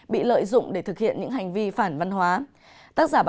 bị lợi dụng để thực hiện những hành vi phản văn hóa